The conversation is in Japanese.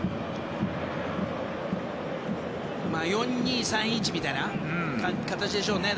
４−２−３−１みたいな形でしょうね。